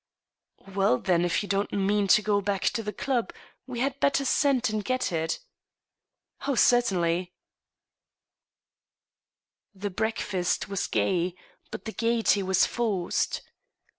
" Well, then, if you don't mean to go back to the club, we had better send and get it." THE PRODIGAL HUSBAND. 57 Oh, certainly !" The breakfast was gay, but the gayety was forced.